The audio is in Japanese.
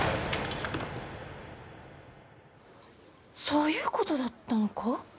そういうことだったのか。